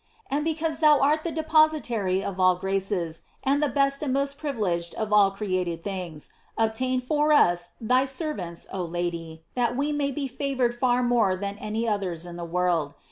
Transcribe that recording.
And because thou art the depositary of all graces, and the best and most privileged of all created things, obtain for us thy 790 GLORIES OF MARY. servants, oh Lady, that we may be favored far more than any others in the world.